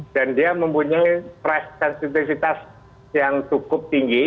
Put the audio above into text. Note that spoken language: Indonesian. dan dia mempunyai price sensitivitas yang cukup tinggi